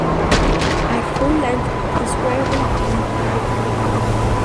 At full health, the square will be bright green.